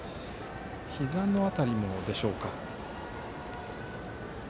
ひざの辺りでしょうか。